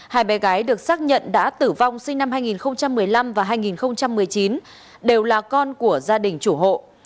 hai bé gái được xác nhận đã tử vong sinh năm hai nghìn một mươi năm và hai nghìn một mươi chín đều là con của gia đình chủ hộ